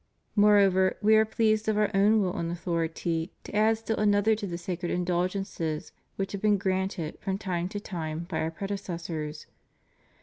Moreover, We are pleased of Our own will and authority to add still another to the sacred Indulgences which have been granted from time to time by Our predecessors.